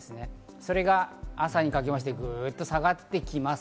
それが朝にかけましてぐっと下がってきます。